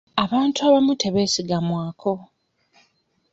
Abantu abamu tebeesigamwako.